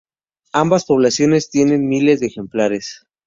Ambas poblaciones tienen miles de ejemplares.